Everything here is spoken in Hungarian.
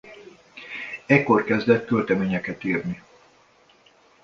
Ekkor kezdett költeményeket írni.